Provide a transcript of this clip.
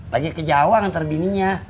lagi ke jawa nganter bininya